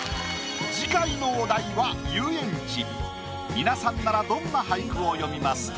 皆さんならどんな俳句を詠みますか？